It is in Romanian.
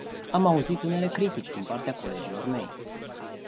Am auzit unele critici din partea colegilor mei.